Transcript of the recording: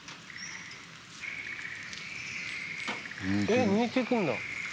えっ抜いていくんだ。